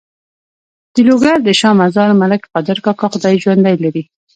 د لوګر د شا مزار ملک قادر کاکا خدای ژوندی لري.